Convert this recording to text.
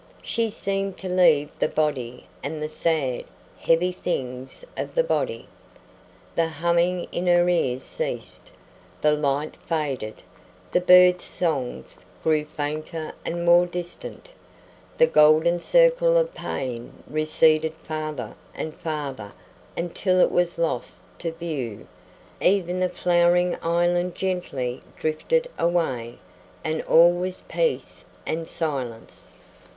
She seemed to leave the body and the sad, heavy things of the body. The humming in her ears ceased, the light faded, the birds songs grew fainter and more distant, the golden circle of pain receded farther and farther until it was lost to view; even the flowering island gently drifted away, and all was peace and silence.